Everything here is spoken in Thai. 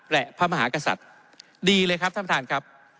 และพระมหากษัตริย์ดีเลยครับท่านประธานครับ